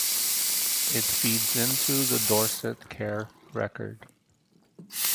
It feeds into the Dorset Care Record.